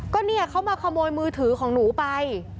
ก็เนี่ยเขามาขโมยมือถือของหนูไป